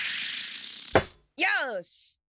よし！